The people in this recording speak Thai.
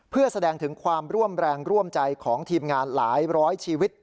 เพื่อแสดงถึงความร่วมแรงร่วมใจของทีมงานหลายร้อยชีวิต